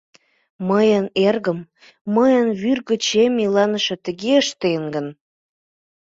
Мыйын эргым, мыйын вӱр гычем иланыше тыге ыштен гын?!.